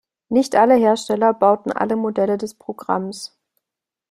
Nicht alle Hersteller bauten alle Modelle des Programms.